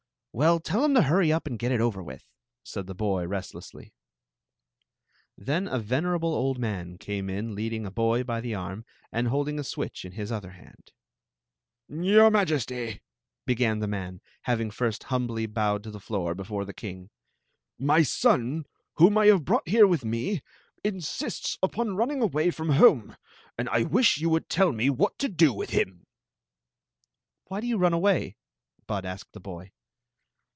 "Well, tell *em to hurry up and get it over with, said the boy, restlessly. Then a venerable old man came in leading a boy by the arm and holding a switch in his other hand. " Your Majesty," began the man, having first hum bly bowed to tfie floor befbrc the king, " my son, whom Story of the Magic Cloak I have brought here with me, insists upon running away from home, and I wish you would tell me what to do with him. "Why do you run away?" Bud asked the boy.